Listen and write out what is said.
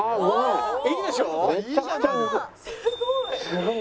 「すごい！」